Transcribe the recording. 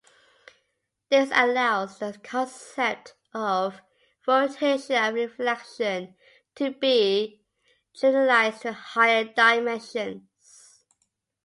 This allows the concept of rotation and reflection to be generalized to higher dimensions.